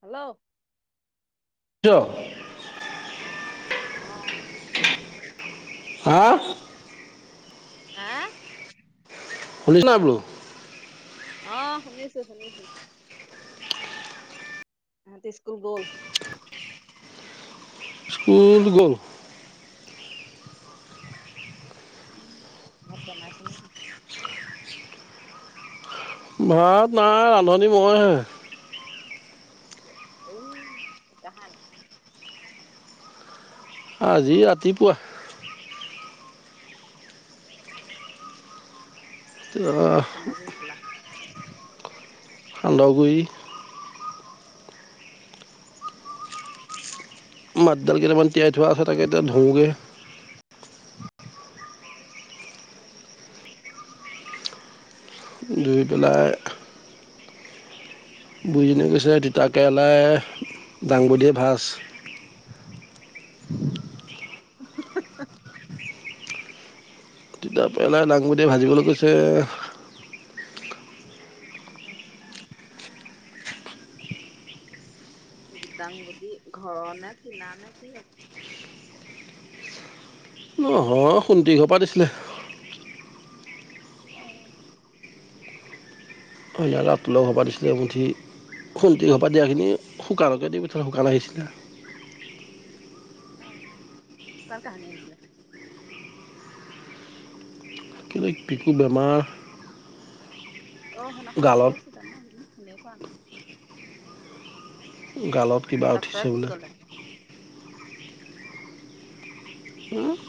Hello [inaudible] অ ' হা আএ বল [inaudible] [unintelligible] [inaudible] আহ শুনিছো শুনিছো। তাহঁতি স্কুল গ'ল? স্কুল গ'ল? উম ভাত বনাইছ নে কি? ভাত নাই ৰান্ধনী মই হে। উ কাহানি? আজি ৰাতি পুৱা। ৰাতিপুৱা কি সান্দগুৰি খালা? সান্দহগুৰি। আহ মাটিদালি কেইটামান তিয়াই থোৱা আছে তাকে এতিয়া ধুওঁগে উম ধুই পেলাই বুঢ়ীজনীয়ে কৈছে তিতাকেৰেলাই দাংবদিয়ে ভাজ উম তিতাকেৰেলা দাংবদিযে ভাজিবলৈ কৈছে উম দাংবদি ঘৰ নে কিনা নে কি হয় অঁ শুন্তীযৰৰ পৰা দিছিলে আহ হয় ৰা তুলৰ ঘৰৰ পৰা দিছিলে এমুঠি শুনতী ঘৰৰ পৰা দিয়াখিনি শুকানকে দি পিঠালো শুকান আহিছিলে আহ কালী কাহানি আহিছিলে বিকু বেমাৰ অ সেইদিনাখন গালত কৈছিল মই আহিম কনে কলে গালত কিবা উঠিছে বোলে কলে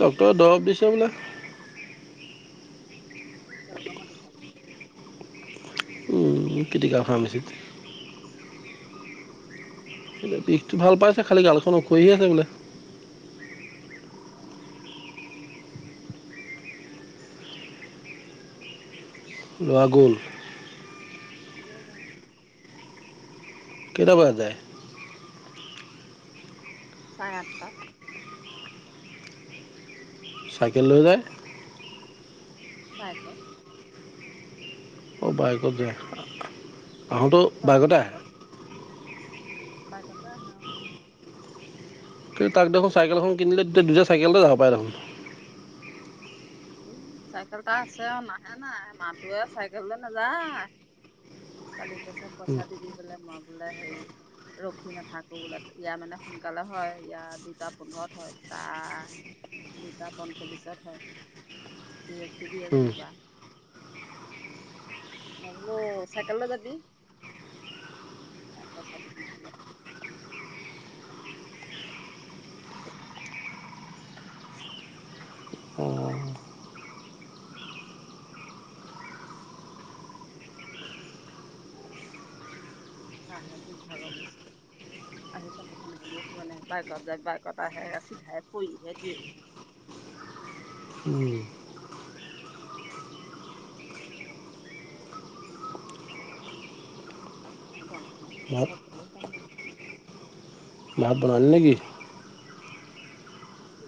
ডক্টৰেৰ দৰৱ দিছে বোলে চ গ ম দুষ পালে উম, পিটিকা ফাৰ্মাচীত উম বিষটো ভাল পাইছে খালী গালখন ওখহি আছে বোলে উম লৰা গল গ'ল কেইটা বজাত যায় চাৰে আঠ তাত চাইকেল লৈ যায় বাইকত অ বাইকত আহোঁতো বাইকতে আহে বাই কতে আহে ও কিন্তু তাক দেখোন চাইকেল এখন কিনি দিলে দুটা চাইকেলতে যাব পাৰে দেখোন উ চাইকেল এটা আছে অ নাহে নাই মোৱে চাইকেললৈ নাযায় কালি পইছত উম, পইচা দিবি বোলে মই বোলে হেৰি ৰখি নাথাকো বোলে ইয়াৰ মানে সোনকালে হয় ইয়াৰ দুটা পোন্ধৰত হয় তাৰ দুটা পঞ্চল্লিশত হয় সি ৰখি দিয়ে উম, যেনিবা নবোলো চাইকেললৈ যাবি অ পইচা দিবি বোলে অঁ তে দুখ ভাগৰ গৈছি আহি কাপোৰ খুন্দিবলৈও সোৱা নাই বাইকত যায় বাইকত আহে চিধাই পৰিহে দিয়েহি উম, গৰমখনত ভাত চাইকেলও যাম লই ভাত বনালি নেকি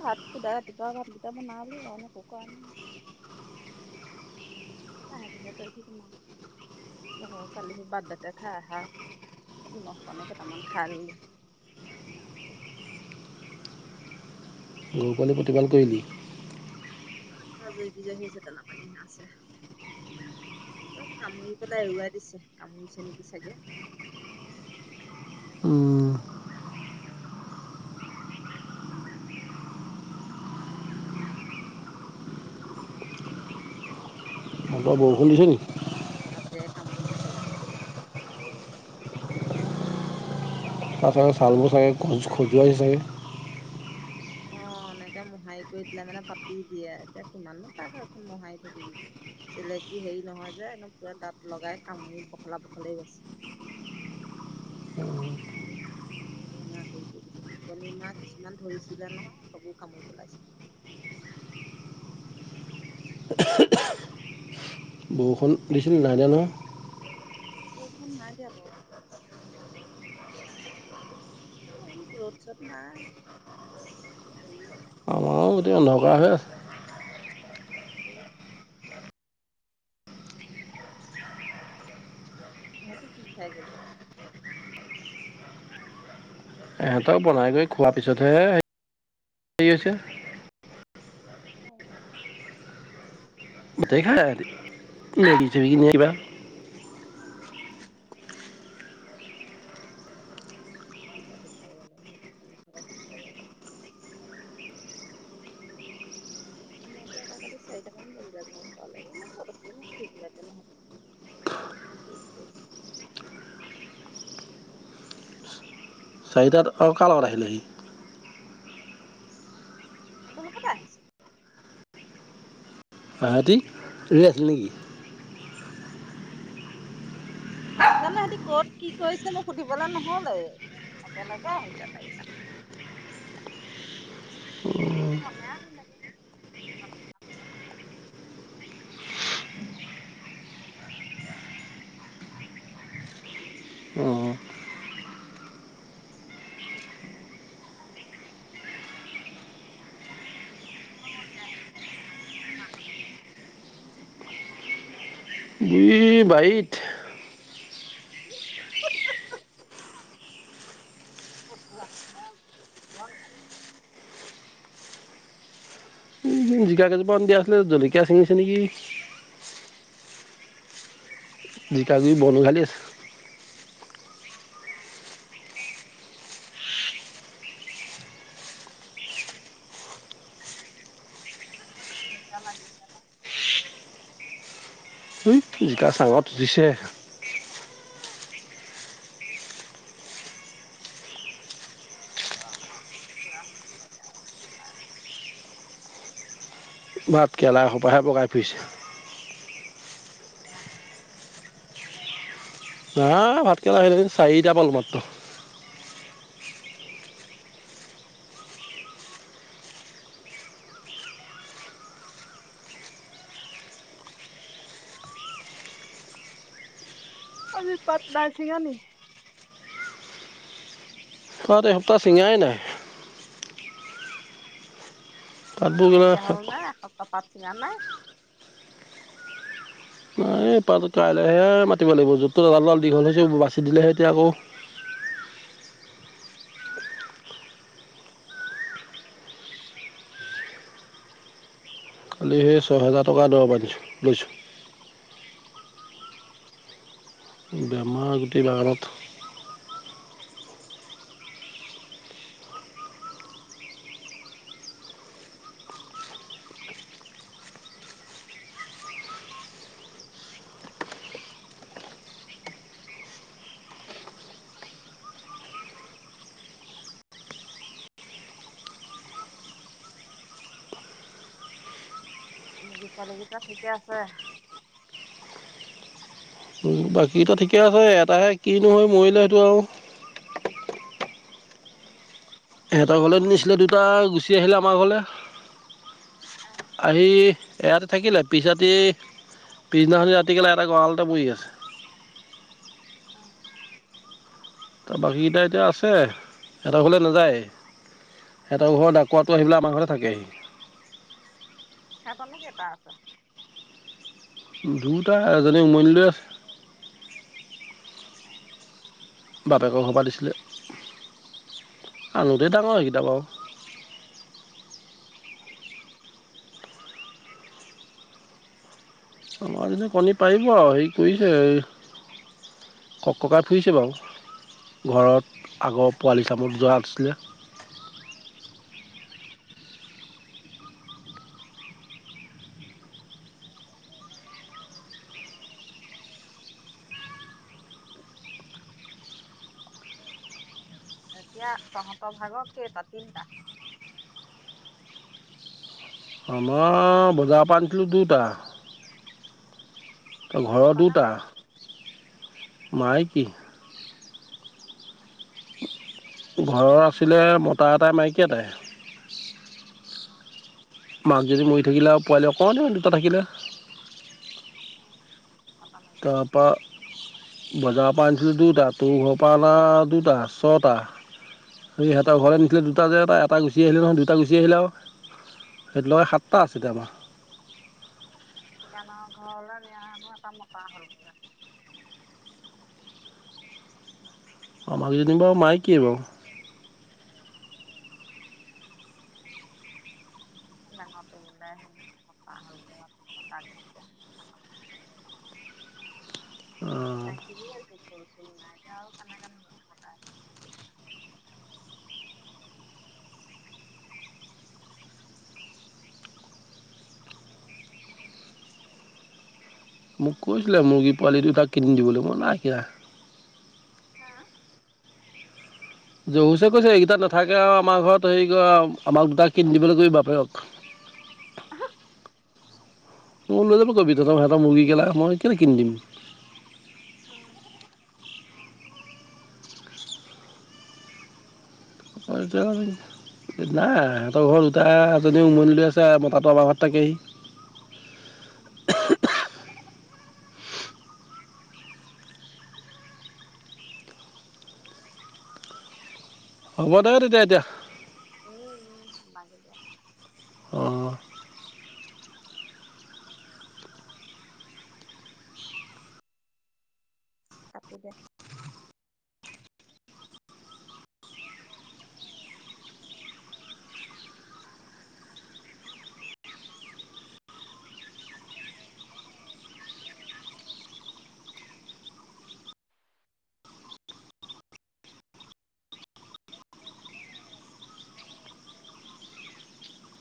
ভাত সুধা ৰাতিপুৱা ভাতকেইটা বনালো আৰুনে একো কৰা নাই কাহে দিহে কৰি থোম ব কালি সি বাৰ্থডেতে খাই আহা নিমখ কাৰণে কেইটামান খাই ললো গৰু পোৱালি প্ৰতিপাল কৰিলি অ জয়ী বিজয়ী হৈছে দানাপানী হ আছে চব কামুৰি পেলাই এৰুৱাই দিছে কামুৰিছে নেকি চাগে মটৰ বৰষুণ দিছে নি নাইহোৱা তাত মহে কামোৰিছে একদম তাৰ চাগে চালবোৰ চাগে খজুৱাইছে চাগে আহ এনেকে মোহাৰি কৰি দিলাই মানে পাতি দিয়ে এতিয়া কিমানন তাক এখন মোহাৰি থাকিবি চেলেকি হেৰি নহয় যে পুৰা দাঁত লগাই কামুৰি পখলা বখলেই কৰিছে ৰঙা কৰি কৰি দিছে শুকনি মা কিছুমান ধৰিছিলে নহয় সেইবোৰ কামুৰি পেলাইছে বৰষুণ দিছিল নাইদিয়া নহয় বৰষুণ নাই দিয়া অ ৰ'দ চত নাই হেৰি নাই অন্ধকাৰ হৈ আছে আ ইহেতি কি খায় গ'ল। ইহঁতক বনাই গৈ খোৱাৰ পিছতহে হে হৈছে উ ভাতেই খায় সিহঁতি মেগীছেবি নে কিবা উম দুটা তিনিটা বল লগ থেনে খানাটো এটা কালি চাৰিটামান বাজিলে ঘৰ পোৱালেকে মই ক'ত আছিল মই সুধিবলেকে নহল কি কৰিছে চাৰিটাত আৰু কাৰ লগত আহিলে হি সিহতৰ লগতে আহিছে তহতি ৰেষ্ট নেকি জানো সিহতি কত কি কৰিছে মোক সুধিবলৈ নহলেই একেলগে আহিছে চাৰিটা আমি ধনে আনিলেগে অ [unintelligible] সি বাৰীত [unintelligible] জিকা কেইজোপামান দিয়া আছিলে। জলকীয়া ছিঙিছে নেকি? জিকা জিকাগুৰি লাগিছে, বন উঘালী আছে। কামানি চালা উই জিকা চাঙত উঠিছে [unintelligible] ভাত কেৰেলা সোপাহে বগাই ফুৰিছে নাই লগা হা ভাতকেৰেলা আহিল চাৰিটামান মাত্ৰ আজি পাট নাই চিঙা নি পাত সপ্তাহ চিঙাই নাই। ইমান পাতবোৰ গ'লে নাইকিয়া হ'ল না এসপ্তাহ পাত চিঙা নাই এইপাতটো কাইলৈহে মাতিব লাগিব য'ত এডাল দুডাল দীঘল হৈছে বাচি দিলেহে এতিয়া আকৌ উম কিহে ছয় হেজাৰ টকা দৰৱ আনিছো লৈছোঁ বেমাৰ গোটেই বাগানত মূৰ্গী পোৱালিগিতা ঠিকে আছে। বাকীকেইটা ঠিকে আছে এটাহে কিনো হৈ মৰিলে সেইটো আৰু উম সিহঁতৰ ঘৰলৈ নিছিলে দুটা গুচি আহিলে আমাৰ ঘৰলে আহি ইয়াতে থাকিলে পিছ ৰাতি পিছদিনাখনি ৰাতি কেলাই এটা গঁড়ালতে পৰি আছে। অ তাৰ বাকীকেইটা এতিয়া আছে এটা ঘৰলে নাযায় এটা ঘৰৰ ডাকোৱাটো আহিবিলাই আমাৰ ঘৰতে থাকেহি। হেতনো কেটা আছে দুয়োটা এজনী উমনি লৈ আছে। বাপেকৰ ঘৰৰ পৰা দিছিলে। আগতে দাঙৰ সেইকেইটা বাৰু। আমাৰ যদি কণী পাৰিব আৰু হেৰি কৰিছে কক-ককাই ফুইছে বাৰু ঘৰত। আগৰ পোৱালি চামত যোৱা আছিলে। এতিয়া তহঁতৰ ভাগৰ কেইটা? তিনটা, আমাৰ বজাৰৰ পৰা আনিছিলোঁ দুটা, সেইকেইটা ঘৰৰ মতা নে দুটা মাইকী মাইক কি? অ, ঘৰৰ আছিলে মতা এটাই মাইকী এটাই। মাক যদি মৰি থাকিলে আৰু পোৱালি অকণ দুটা থাকিলে। মতা মাইকী তাৰ পা বজাৰ ত পৰা আনিছিলে দুটা তোৰ ঘৰৰ পৰা আনা দুটা ছটা স সহঁতৰ ঘতে নিছিলে দুটা যে এটা-এটা গুচি আহিলে নহয় দুটা গুচি আহিলে আৰু সেইটো লগে সাতটা আছে এতিয়া আমাৰ। শুকানৰ ঘৰলৈ নিয়ানো এটা মতা হ'ল বোলে। আমাৰ যদি নিব মাইক কি হব? নেঙত বোলে সেতাহ অ নাইকিয় আৰু ফুল-ফুল নাইতি আৰু কেনে কে [unintelligible] মোক কৈছিলে মুৰ্গী পোৱালি দুটা কিনি দিবলৈ মই নাই দিয়া। হা' জহোছে কৈছে এইকেইটা নাথাকে আৰু আমাৰ ঘৰত হেৰি আমাক দুটা কিন দিবলৈ কবি বাপেৰক। মোক লৈ যাব কবি তঁ সিহঁৰ মুৰ্গী কেলা মই কেলেকিন দিম। উম নাই সিহঁতৰ ঘৰত দুটা এজনী উমনী লৈ আছে মতাটো আমাৰ ঘৰত থাকেহি। উম, হ'ব দে তেতিয়া এতিয়া। উম, উ' নমাগিলোৱা। অঁ, কাটি দে।